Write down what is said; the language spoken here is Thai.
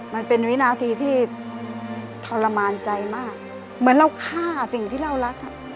มันเป็นวินาทีที่ทรมานใจมากเหมือนเราฆ่าสิ่งที่เรารัก